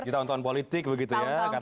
di tahun tahun politik begitu ya kata bang andre